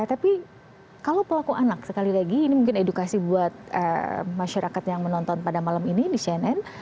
tapi kalau pelaku anak sekali lagi ini mungkin edukasi buat masyarakat yang menonton pada malam ini di cnn